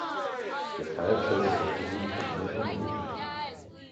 Deshalb sollten wir auch behutsam damit umgehen.